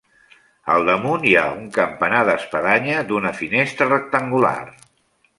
Al damunt hi ha un campanar d'espadanya d'una finestra rectangular.